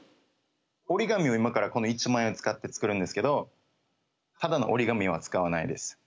折り紙を今からこの１万円を使って作るんですけどただの折り紙は使わないです。